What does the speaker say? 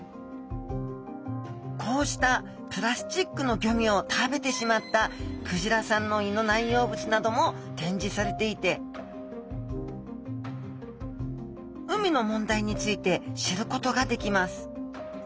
こうしたプラスチックのゴミを食べてしまったクジラさんの胃の内容物なども展示されていて海の問題について知ることができます